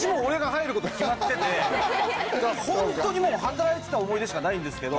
ホントにもう働いてた思い出しかないんですけど。